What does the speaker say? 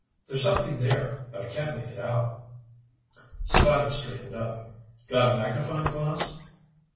"There's something there, but I can't make it out." Scotty straightened up. "Got a magnifying glass?"